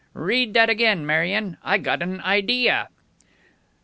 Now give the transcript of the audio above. "Read that again, Marion. I gottan idea."